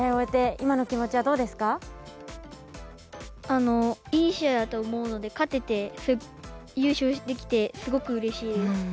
あのいい試合だと思うので勝てて優勝できてすごくうれしいです。